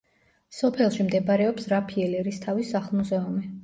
სოფელში მდებარეობს რაფიელ ერისთავის სახლ-მუზეუმი.